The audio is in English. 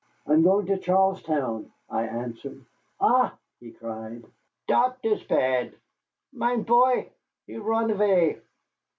"I am going to Charlestown," I answered. "Ach!" he cried, "dot is pad. Mein poy, he run avay.